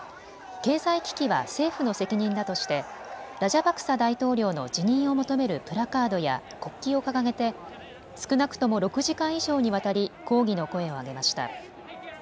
経済危機は政府の責任だとしてラジャパクサ大統領の辞任を求めるプラカードや国旗を掲げて少なくとも６時間以上にわたり抗議の声を上げました。